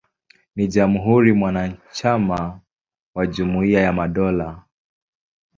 Ni jamhuri mwanachama wa Jumuiya ya Madola.